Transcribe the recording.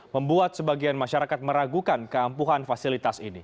membuat sebagian masyarakat meragukan keampuhan fasilitas ini